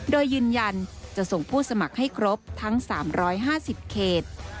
โดยยืนยันจะส่งผู้สมัครให้ครบทั้ง๓๕๐เขต